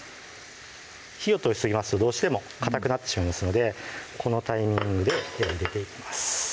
火を通しすぎますとどうしてもかたくなってしまいますのでこのタイミングで火を入れていきます